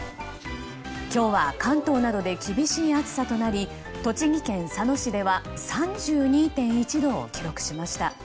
今日は関東などで厳しい暑さとなり栃木県佐野市では３２．１度を記録しました。